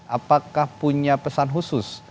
apakah punya pesan khusus